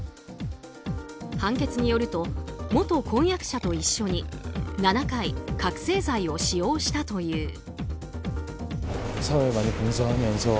判決によると、元婚約者と一緒に７回、覚醒剤を使用したという。